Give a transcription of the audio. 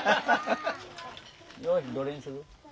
よしどれにする？